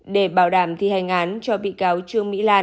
để bảo đảm thi hành án cho bị cáo trương mỹ lan